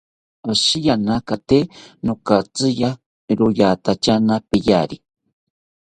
Ashiyanaka tee nokatziya, royatatyana peyari